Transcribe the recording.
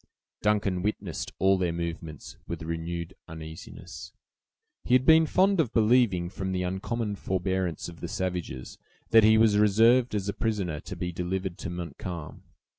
Duncan witnessed all their movements with renewed uneasiness. He had been fond of believing, from the uncommon forbearance of the savages, that he was reserved as a prisoner to be delivered to Montcalm.